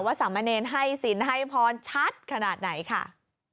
ว่าสามเมรนดิ์ให้สินให้พรชัดขนาดไหนค่ะ